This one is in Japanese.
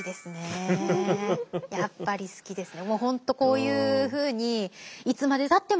やっぱり好きですね。